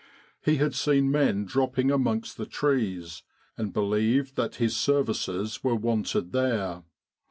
He had seen men dropping amongst the trees and believed that his services were wanted there.